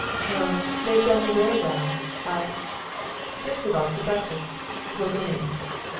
Oh! They've done me very well, I There's the gong for breakfast; we'll go in."